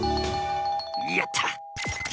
やった！